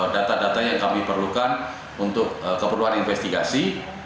data data yang kami perlukan untuk keperluan investigasi